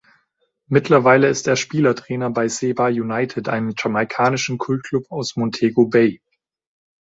Mittlerweile ist er Spielertrainer bei Seba United, einem jamaikanischen Kult-Club aus Montego Bay.